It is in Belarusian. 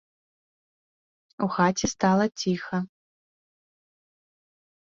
У хаце стала ціха.